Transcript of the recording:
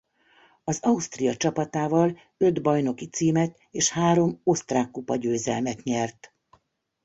Az Austria csapatával öt bajnoki címet és három osztrákkupa-győzelmet nyert.